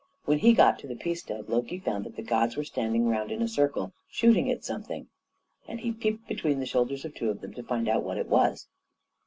When he got to the Peacestead, Loki found that the gods were standing round in a circle shooting at something, and he peeped between the shoulders of two of them to find out what it was.